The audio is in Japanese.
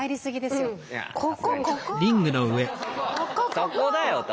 そこだよと。